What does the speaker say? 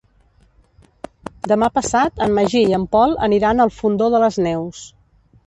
Demà passat en Magí i en Pol aniran al Fondó de les Neus.